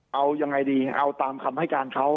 เอายังไงดีเอาตามคำให้การเขา